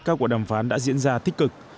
vấn đề biên giới đã diễn ra tích cực